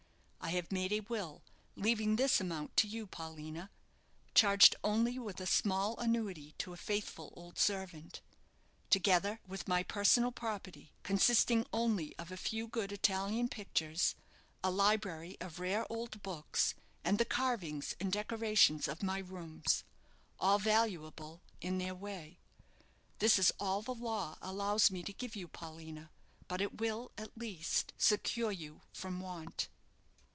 I have made a will, leaving this amount to you, Paulina charged only with a small annuity to a faithful old servant together with my personal property, consisting only of a few good Italian pictures, a library of rare old books, and the carvings and decorations of my roams all valuable in their way. This is all the law allows me to give you, Paulina; but it will, at least, secure you from want."